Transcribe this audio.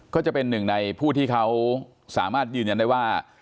ก็จะเป็นหนึ่งในผู้ที่เขาสามารถยืนยันได้ว่า